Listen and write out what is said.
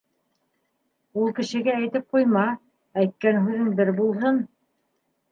Ул кешегә әйтеп ҡуйма Әйткән һүҙең бер булһын